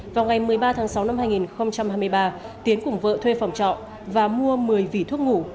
vào ngày một mươi ba tháng sáu năm hai nghìn hai mươi ba tiến cùng vợ thuê phòng trọ và mua một mươi vỉ thuốc ngủ